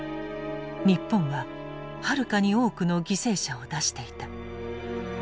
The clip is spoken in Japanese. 日本ははるかに多くの犠牲者を出していた。